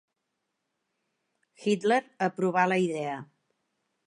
Hitler aprovà la idea.